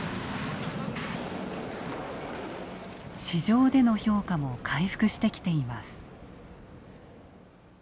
市場での評価も回復してきています。